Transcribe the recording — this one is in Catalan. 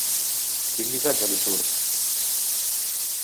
Quin missatge li surt?